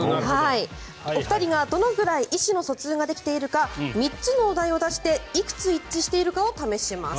お二人がどのぐらい意思の疎通ができているか３つのお題を出していくつ一致しているかを試します。